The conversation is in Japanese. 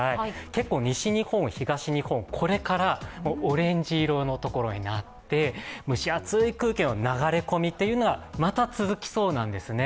結構、西日本、東日本これからオレンジ色のところになって蒸し暑い空気の流れ込みっていうのがまた続きそうなんですね。